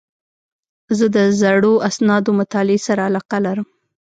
زه د زړو اسنادو مطالعې سره علاقه لرم.